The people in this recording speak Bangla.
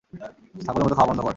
ছাগলের মত খাওয়া বন্ধ কর!